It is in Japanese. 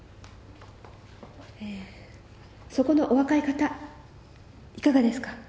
えそこのお若い方いかがですか？